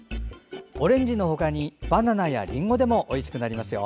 オレンジのほかにバナナやりんごでもおいしくなりますよ。